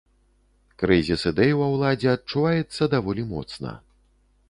Крызіс ідэй ва ўладзе адчуваецца даволі моцна.